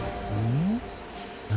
何？